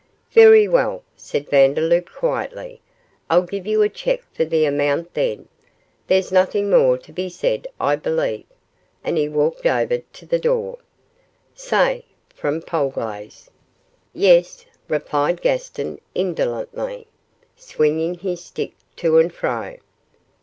'Very well,' said Vandeloup, quietly, 'I'll give you a cheque for the amount, then. There's nothing more to be said, I believe?' and he walked over to the door. 'Say!' from Polglaze. 'Yes,' replied Gaston, indolently, swinging his stick to and fro.